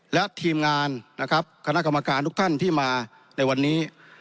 และทีมงานนะครับคณะกรรมการทุกท่านที่มาในวันนี้